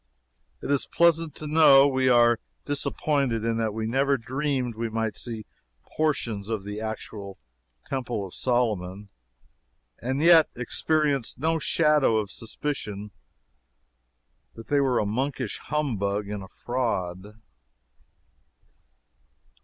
It is pleasant to know we are disappointed, in that we never dreamed we might see portions of the actual Temple of Solomon, and yet experience no shadow of suspicion that they were a monkish humbug and a fraud.